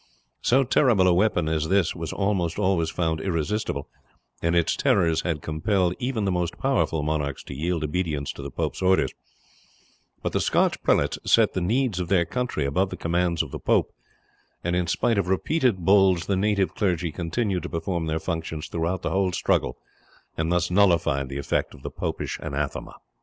So terrible a weapon as this was almost always found irresistible, and its terrors had compelled even the most powerful monarchs to yield obedience to the pope's orders; but the Scotch prelates set the needs of their country above the commands of the pope, and in spite of repeated bulls the native clergy continued to perform their functions throughout the whole struggle, and thus nullified the effect of the popish anathema.